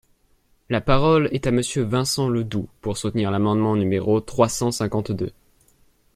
La parole est à Monsieur Vincent Ledoux, pour soutenir l’amendement numéro trois cent cinquante-deux.